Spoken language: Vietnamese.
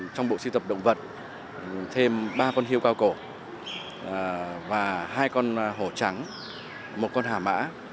trong bộ siêu tập động vật thêm ba con hiêu cao cổ và hai con hổ trắng một con hả mã